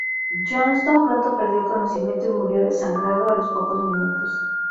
Johnston pronto perdió el conocimiento y murió desangrado a los pocos minutos.